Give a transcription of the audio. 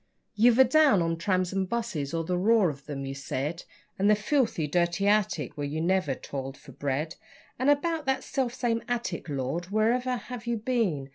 You've a down on 'trams and buses', or the 'roar' of 'em, you said, And the 'filthy, dirty attic', where you never toiled for bread. (And about that self same attic Lord! wherever have you been?